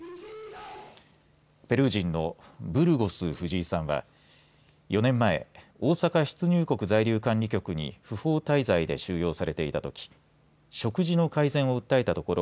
ペルー人のブルゴス・フジイさんは４年前、大阪出入国在留管理局に不法滞在で収容されていたとき食事の改善を訴えたところ